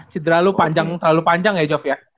cedera lu terlalu panjang ya jov ya